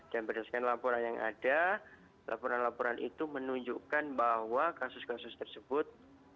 dan berdasarkan laporan yang ada laporan laporan itu menunjukkan bahwa kasus kasus tersebut